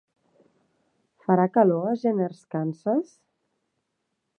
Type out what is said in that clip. Farà calor a Jenners Kansas?